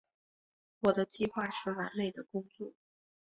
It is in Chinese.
我的计划是完美的工作。